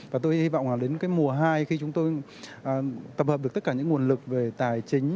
và tôi hy vọng là đến cái mùa hai khi chúng tôi tập hợp được tất cả những nguồn lực về tài chính